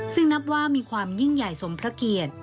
ซึ่งนับว่ามีความยิ่งใหญ่สมพระเกียรติ